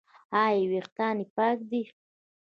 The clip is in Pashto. ایا ویښتان یې پاک دي؟